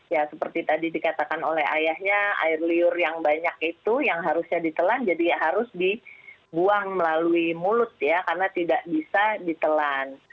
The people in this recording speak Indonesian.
ya seperti tadi dikatakan oleh ayahnya air liur yang banyak itu yang harusnya ditelan jadi harus dibuang melalui mulut ya karena tidak bisa ditelan